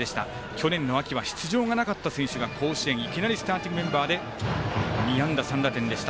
去年の秋は出場がなかった選手が甲子園いきなりスターティングメンバーで２安打３打点でした。